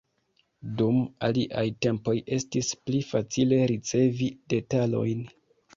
Dum aliaj tempoj estis pli facile ricevi detalojn.